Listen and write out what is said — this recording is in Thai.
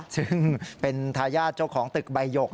ซึ่งเป็นทายาทเจ้าของตึกใบหยก